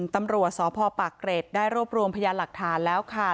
ตำรวจสพปากเกร็ดได้รวบรวมพยานหลักฐานแล้วค่ะ